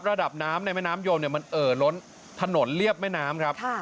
ระดับน้ำในแม่น้ำยมมันเอ่อล้นถนนเรียบแม่น้ำครับ